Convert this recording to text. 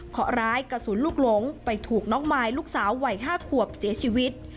ขอร้ายกระสุนลูกหลงไปถูกน้องมายลูกสาววัย๕ขวบเสียชีวิต